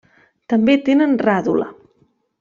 També tenen ràdula.